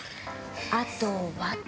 あとは。